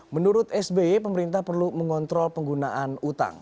menurut sby pemerintah perlu mengontrol penggunaan utang